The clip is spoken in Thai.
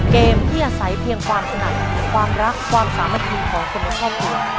เกมที่อาศัยเพียงความถนัดความรักความสามัคคีของคนในครอบครัว